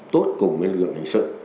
tốt cùng với lực lượng hình sự